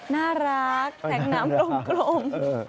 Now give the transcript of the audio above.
น่ารักแสงน้ำกลม